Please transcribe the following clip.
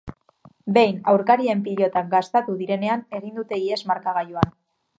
Behin aurkarien pilotak gastatu direnean egin dute ihes markagailuan.